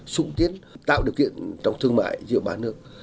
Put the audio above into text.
xúc tiến tạo điều kiện trong thương mại dự bán nước